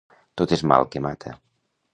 Tot és mal que mata.